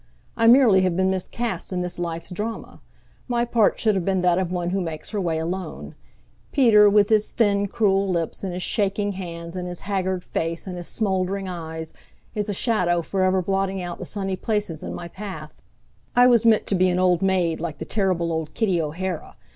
I merely have been miscast in this life's drama. My part should have been that of one who makes her way alone. Peter, with his thin, cruel lips, and his shaking hands, and his haggard face and his smoldering eyes, is a shadow forever blotting out the sunny places in my path. I was meant to be an old maid, like the terrible old Kitty O'Hara.